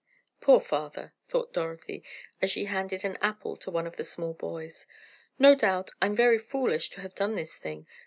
"Poor father!" thought Dorothy, as she handed an apple to one of the small boys. "No doubt I'm very foolish to have done this thing.